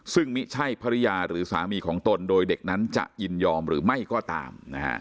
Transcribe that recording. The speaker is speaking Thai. ซึ่งไม่ใช่ภรรยาหรือสามีของตนโดยเด็กนั้นจะยินยอมหรือไม่ก็ตาม